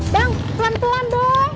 bang pelan pelan dong